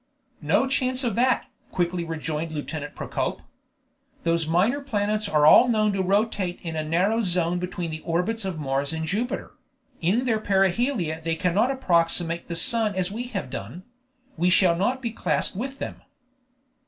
"No chance of that," quickly rejoined Lieutenant Procope. "Those minor planets all are known to rotate in a narrow zone between the orbits of Mars and Jupiter; in their perihelia they cannot approximate the sun as we have done; we shall not be classed with them."